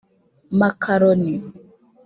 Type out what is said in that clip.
makaroni